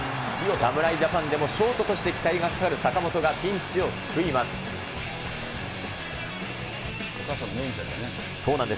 侍ジャパンでもショートとして期待がかかる坂本がピンチを救います。